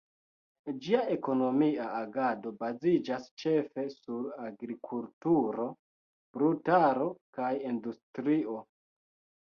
Ĝia ekonomia agado baziĝas ĉefe sur agrikulturo, brutaro kaj industrio.